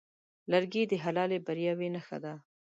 لرګی د حلالې بریاوې نښه ده.